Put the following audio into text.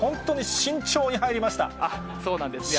慎重に入りました。